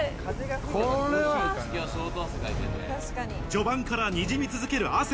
序盤からにじみ続ける汗。